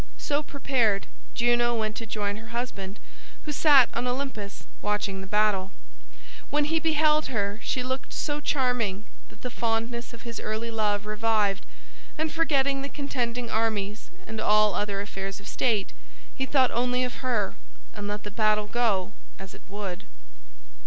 So prepared, Juno went to join her husband, who sat on Olympus watching the battle. When he beheld her she looked so charming that the fondness of his early love revived, and, forgetting the contending armies and all other affairs of state, he thought only of her and let the battle go as it would.